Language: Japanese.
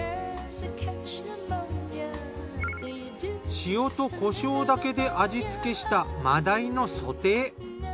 塩とコショウだけで味付けした真鯛のソテー。